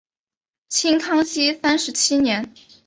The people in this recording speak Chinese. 清康熙三十七年。